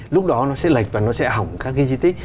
lúc đó nó sẽ lệch và nó sẽ hỏng các cái di tích